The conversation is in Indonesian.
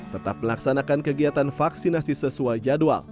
tetap melaksanakan kegiatan vaksinasi sesuai jadwal